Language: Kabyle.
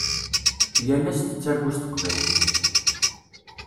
Yal ass tettargu s teqbaylit.